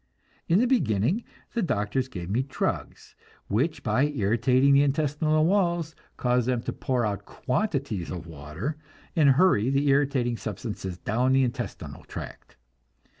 In the beginning the doctors gave me drugs which by irritating the intestinal walls cause them to pour out quantities of water, and hurry the irritating substances down the intestinal tract.